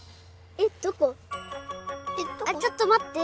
あっちょっとまって。